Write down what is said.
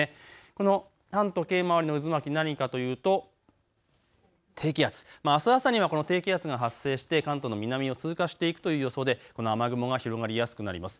この反時計回りの渦巻き、何かというと低気圧、あす朝にはこの低気圧が発生して関東の南を通過していくという予想でこの雨雲が広がりやすくなります。